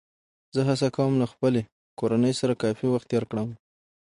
زه هڅه کوم له خپلې کورنۍ سره کافي وخت تېر کړم